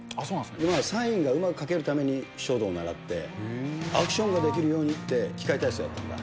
まあ、サインがうまく書けるために書道習って、アクションができるようにって、器械体操やったんだ。